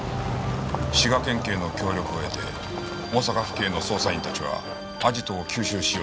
滋賀県警の協力を得て大阪府警の捜査員たちはアジトを急襲しようとした。